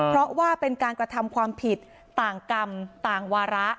เพราะว่าเป็นการกระทำความผิดต่างกรรมต่างวาระ